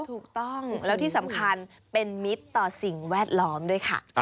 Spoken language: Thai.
ถูกต้องแล้วที่สำคัญเป็นมิตรต่อสิ่งแวดล้อมด้วยค่ะ